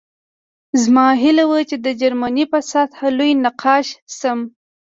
زما هیله وه چې د جرمني په سطحه لوی نقاش شم